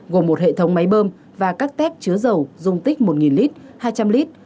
gồm một hệ thống máy bơm và các tép chứa dầu dung tích một nít hai trăm linh nít